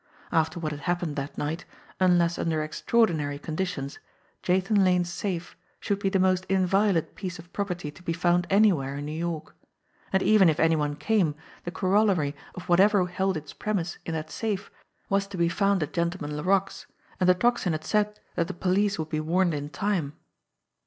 After what had happened that night, unless under extraordinary condi tions, Jathan Lane's safe should be the most inviolate piece of property to be found anywhere in New York. And even if any one came, the corollary of whatever held its premise in that safe was to be found at Gentleman Laroque's, and the Tocsin had said that the police would be warned in time.